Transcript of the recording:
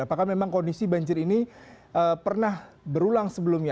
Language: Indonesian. apakah memang kondisi banjir ini pernah berulang sebelumnya